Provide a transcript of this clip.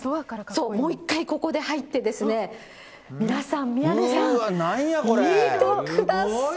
そう、もう一回ここで入ってですね、皆さん、宮根さん、見てください。